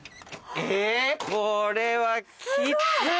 えぇこれはきつい！